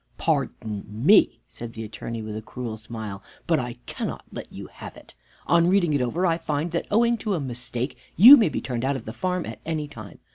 "Pardon me," said the Attorney with a cruel smile, "but I cannot let you have it. On reading it over I find that owing to a mistake you may be turned out of the farm at any time.